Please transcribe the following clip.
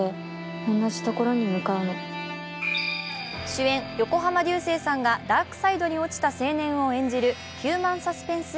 主演・横浜流星さんがダークサイドにおちた青年を演じるヒューマンサスペンス